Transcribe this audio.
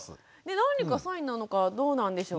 何かサインなのかどうなんでしょう。